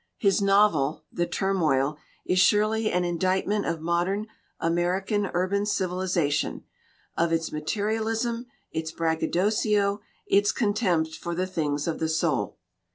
His novel, The Turmoil, is surely an indictment of modern American urban civilization; of its ma terialism, its braggadocio, its contempt for the things of the soul.